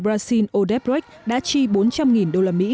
brazil odebrecht đã chi bốn trăm linh đô la mỹ